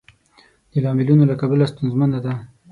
د لاملونو له کبله ستونزمنه ده.